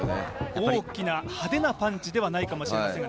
大きな派手なパンチではないかもしれませんが。